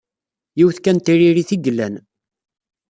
Yiwet kan n tririt i yellan.